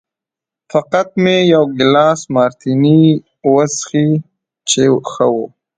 فقط مې یو ګیلاس مارتیني وڅښی چې ښه و.